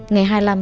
ngày hai tháng